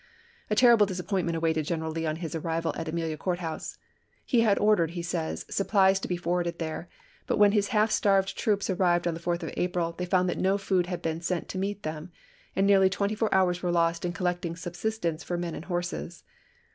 A terrible disappointment awaited General Lee on his arrival at Amelia Court House. He had ordered, he says, supplies to be forwarded there ; but when his half starved troops arrived on the 4th of April they found that no food had been sent to meet them, and nearly twenty four hours were lost in collecting subsistence for men and horses.